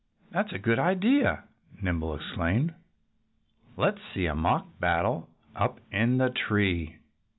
"That's a good idea!" Nimble exclaimed. "Let's see a mock battle up in the tree!"